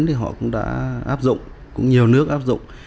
thì họ cũng đã áp dụng cũng nhiều nước áp dụng